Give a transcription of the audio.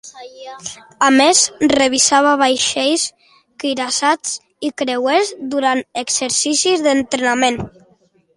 A més, revisava vaixells cuirassats i creuers durant exercicis d'entrenament.